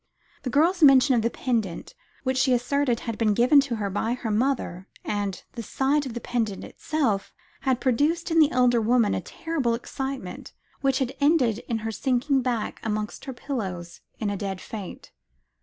The girl's mention of the pendant which she asserted had been given her by her mother; and, the sight of the pendant itself, had produced in the elder woman a terrible excitement, which had ended in her sinking back amongst her pillows in a dead faint.